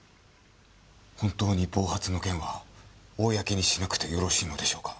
本当に暴発の件は公にしなくてよろしいのでしょうか？